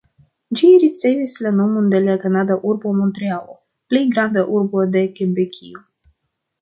Ĝi ricevis la nomon de la kanada urbo Montrealo, plej granda urbo de Kebekio.